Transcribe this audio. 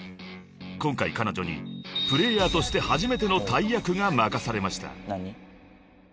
［今回彼女にプレーヤーとして初めての大役が任されました］